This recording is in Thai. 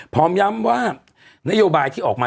พร้อมย้ำว่านโยบายที่ออกมา